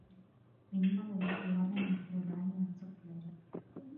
مېلمه ته د کورنۍ مهرباني ارزښت لري.